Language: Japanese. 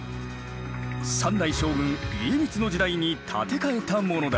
３代将軍家光の時代に建て替えたものだ。